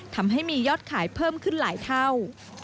ทำให้มียอดขายเพิ่มขึ้นหลายเท่า